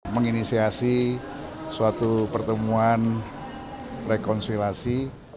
menginisiasi suatu pertemuan rekonsilasi